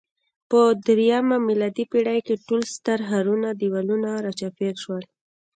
په درېیمه میلادي پېړۍ کې ټول ستر ښارونه دېوالونو راچاپېر شول